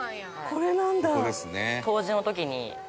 これなんだ。